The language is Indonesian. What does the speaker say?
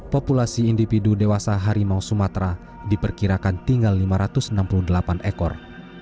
populasi individu dewasa harimau sumatera diperkirakan tinggal lima ratus enam puluh delapan ekor